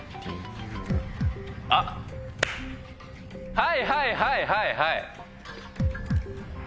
はいはいはいはいはい！